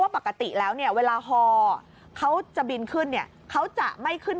ปกติแล้วเนี่ยเวลาฮอเขาจะบินขึ้นเนี่ยเขาจะไม่ขึ้น